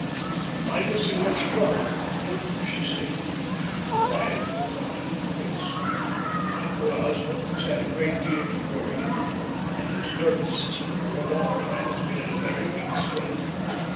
"You find us in much trouble, doctor," she said, in a quiet, refined voice. "My poor husband has had a great deal to worry him, and his nervous system for a long time has been in a very weak state.